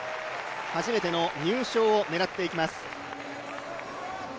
初めての入賞を狙っていきます。